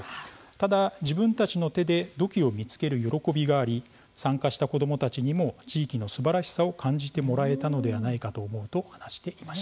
ただ、自分たちの手で土器を見つける喜びがあり参加した子どもたちにも地域のすばらしさを感じてもらえたのではないかと思うと話していました。